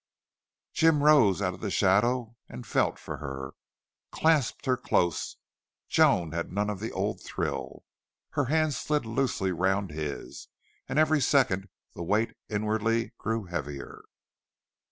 Jim rose out of the shadow and felt for her, clasped her close. Joan had none of the old thrill; her hands slid loosely round his; and every second the weight inwardly grew heavier.